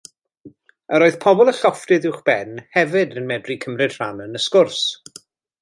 Yr oedd pobl y llofftydd uwchben, hefyd, yn medru cymryd rhan yn y sgwrs.